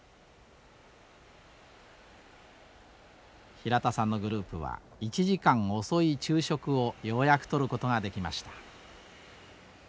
平田さんのグループは１時間遅い昼食をようやくとることができました。